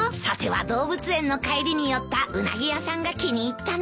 さては動物園の帰りに寄ったうなぎ屋さんが気に入ったな。